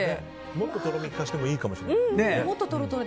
もっととろみを利かせてもいいかもしれない。